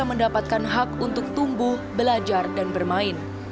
mereka mendapatkan hak untuk tumbuh belajar dan bermain